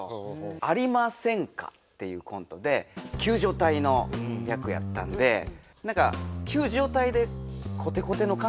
「ありませんか？」っていうコントで救助隊の役やったんで何か救助隊でコテコテの関西出てきたらちょっと何か。